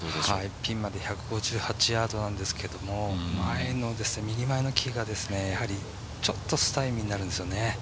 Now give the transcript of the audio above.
ピンまで１５８ヤードなんですけど、右の木がちょっと邪魔になるんですね